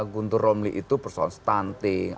guntur romli itu persoalan stunting